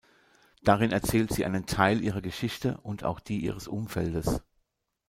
Darin erzählt sie einen Teil ihrer Geschichte und auch die ihres Umfeldes.